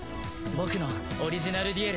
僕のオリジナルデュエル。